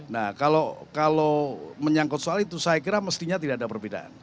nah kalau menyangkut soal itu saya kira mestinya tidak ada perbedaan